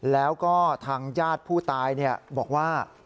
แล้วก็ทางญาติผู้ตายบอกว่า